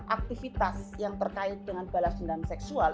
aktivitas yang terkait dengan balas dendam seksual